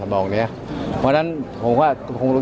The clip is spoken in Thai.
ตราบใดที่ตนยังเป็นนายกอยู่